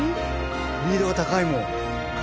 リードが高いもん。